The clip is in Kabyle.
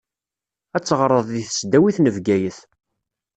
Ad teɣṛeḍ di tesdawit n Bgayet.